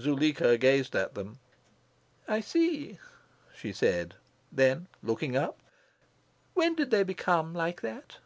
Zuleika gazed at them. "I see," she said; then, looking up, "When did they become like that?"